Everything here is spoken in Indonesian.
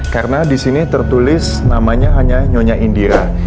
karena di sini tertulis namanya hanya nyonya indira